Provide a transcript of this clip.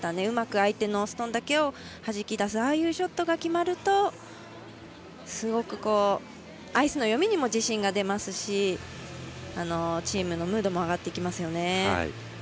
うまく相手のストーンだけをはじき出すああいうショットが決まるとすごくアイスの読みにも自信が出ますしチームのムードも上がってきます。